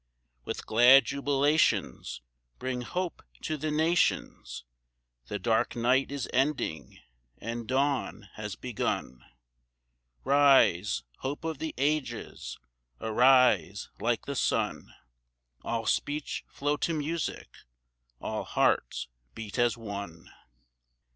With glad jubilations Bring hope to the nations The dark night is ending and dawn has begun Rise, hope of the ages, arise like the sun, All speech flow to music, all hearts beat as one!